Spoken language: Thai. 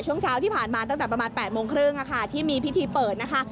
ช่วงเช้าที่ผ่านมาตั้งแต่ประมาณ๘โมงครึ่งที่มีพิธีเปิดนะคะ